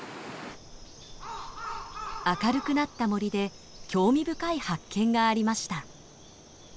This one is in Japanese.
明るくなった森で興味深い発見がありました。